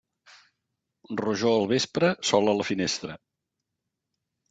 Rojor al vespre, sol a la finestra.